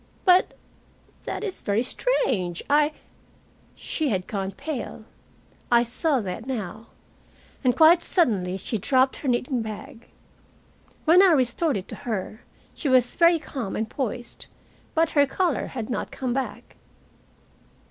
"But that is very strange. I " She had gone pale. I saw that now. And quite suddenly she dropped her knitting bag. When I restored it to her, she was very calm and poised, but her color had not come back.